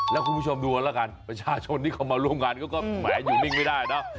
แล้วคุณผู้ชมดูเอาละกันประชาชนที่เขามาร่วมงานก็แหมอยู่นิ่งไม่ได้เนอะ